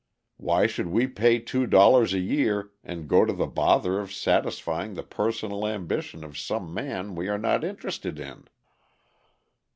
Why should we pay two dollars a year and go to the bother of satisfying the personal ambition of some man we are not interested in?"